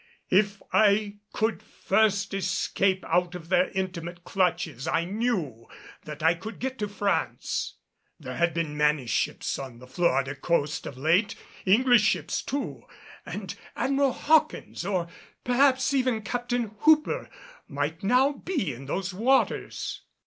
If I could first escape out of their intimate clutches I knew that I could get to France. There had been many ships on the Florida coast of late English ships too and Admiral Hawkins, or perhaps even Captain Hooper, might now be in those waters.